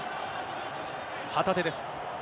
旗手です。